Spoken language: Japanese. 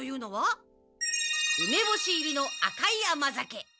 うめぼし入りの赤い甘酒。